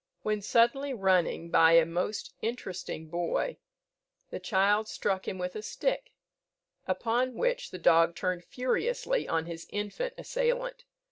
When suddenly running by a most interesting boy, the child struck him with a stick, upon which the dog turned furiously on his infant assailant.